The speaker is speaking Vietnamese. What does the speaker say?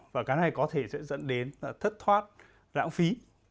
và cái này có thể sẽ dẫn đến thất thoát lãng phí